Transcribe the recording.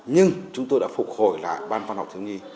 nhưng chúng tôi đã phục hồi lại ban văn học thiếu nhi